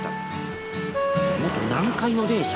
元南海の電車。